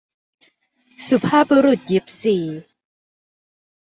สุภาพบุรุษยิปซี